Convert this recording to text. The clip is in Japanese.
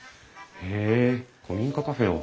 へえ古民家カフェを。